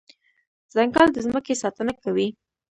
ځنګل د ځمکې ساتنه کوي.